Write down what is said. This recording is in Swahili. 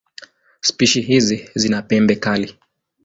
Spishi hizi zina pembe kali.